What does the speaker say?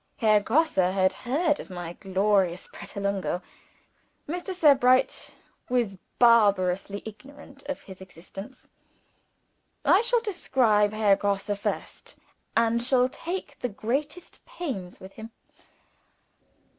Herr Grosse had heard of my glorious Pratolungo. Mr. Sebright was barbarously ignorant of his existence. I shall describe Herr Grosse first, and shall take the greatest pains with him.